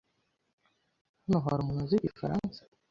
Hano hari umuntu uzi igifaransa?